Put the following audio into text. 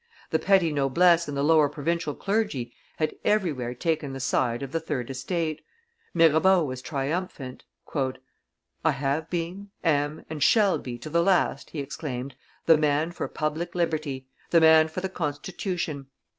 The petty noblesse and the lower provincial clergy had everywhere taken the side of the third estate. Mirabeau was triumphant. "I have been, am, and shall be to the last," he exclaimed, "the man for public liberty, the man for the constitution.